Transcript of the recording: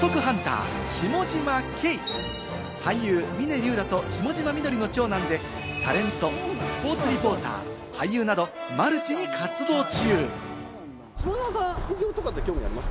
俳優・峰竜太と下嶋美どりの長男でタレント、スポーツリポーター、俳優などマルチに活動中。